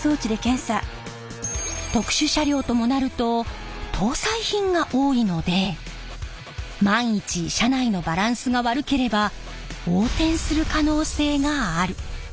特殊車両ともなると搭載品が多いので万一車内のバランスが悪ければ横転する可能性がある。